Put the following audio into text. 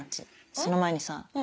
その前にさ